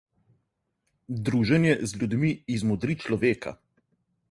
Druženje z ljudmi izmodri človeka.